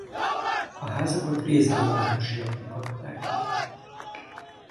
A házakat részben városiaknak adták el.